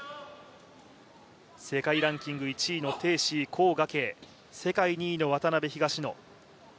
世界ランキング１位の鄭思緯・黄雅瓊、世界２位の渡辺・東野。